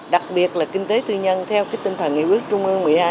đặc biệt là kinh tế tư nhân theo cái tinh thần nghị quyết trung ương một mươi hai